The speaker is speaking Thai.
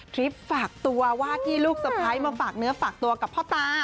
คลิปฝากตัวว่าที่ลูกสะพ้ายมาฝากเนื้อฝากตัวกับพ่อตา